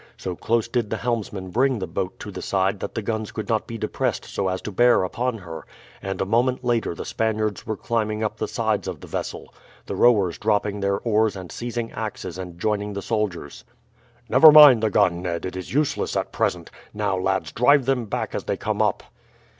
So close did the helmsman bring the boat to the side that the guns could not be depressed so as to bear upon her, and a moment later the Spaniards were climbing up the sides of the vessel, the rowers dropping their oars and seizing axes and joining the soldiers. "Never mind the gun, Ned; it is useless at present. Now, lads, drive them back as they come up."